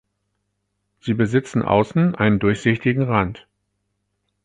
Sie besitzen außen einen durchsichtigen Rand.